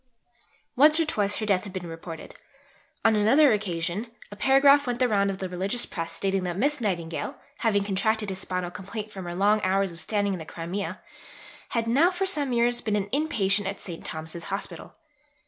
Once or twice, her death had been reported. On another occasion, a paragraph went the round of the religious press stating that Miss Nightingale having contracted a spinal complaint from her long hours of standing in the Crimea, had "now for some years been an in patient at St. Thomas's Hospital."